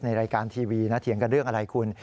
ในรายการทีวีนะเถียงกันเรื่องอะไรคุณ